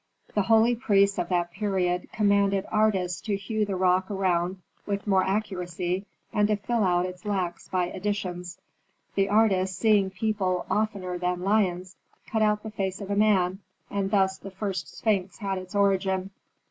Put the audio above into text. The holy priests of that period commanded artists to hew the rock around with more accuracy and to fill out its lacks by additions. The artists, seeing people oftener than lions, cut out the face of a man, and thus the first sphinx had its origin."